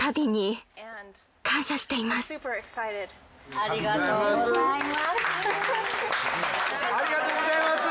ありがとうございます！